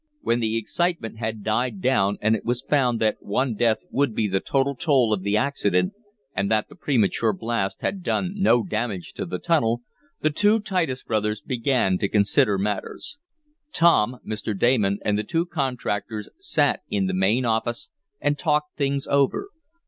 When the excitement had died down, and it was found that one death would be the total toll of the accident and that the premature blast had done no damage to the tunnel, the two Titus brothers began to consider matters. Tom, Mr. Damon and the two contractors sat in the main office and talked things over.